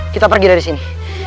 kita pergi dari sini